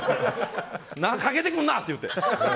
かけてくんな！って言うて。